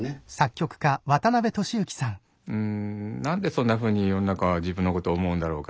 うんなんでそんなふうに世の中は自分のことを思うんだろうか。